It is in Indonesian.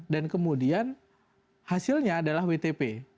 dan kemudian hasilnya adalah wtp